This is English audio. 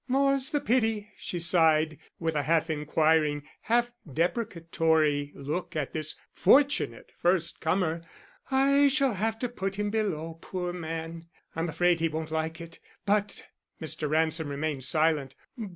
"More's the pity," she sighed, with a half inquiring, half deprecatory look at this fortunate first comer. "I shall have to put him below, poor man. I'm afraid he won't like it, but " Mr. Ransom remained silent.